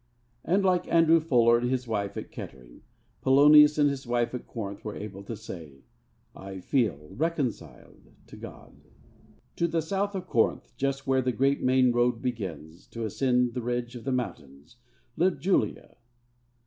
And, like Andrew Fuller and his wife at Kettering, Polonius and his wife at Corinth were able to say, 'I feel reconciled to God.' III To the south of Corinth, just where the great main road begins to ascend the ridge of the mountains, lived Julia.